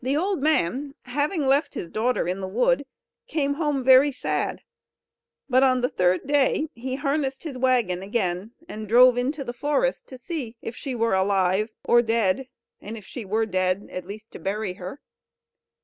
The old man, having left his daughter in the wood, came home very sad; but on the third day he harnessed his waggon again, and drove into the forest, to see if she were alive or dead; and if she were dead at least to bury her.